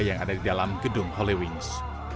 yang ada di dalam gedung holy wings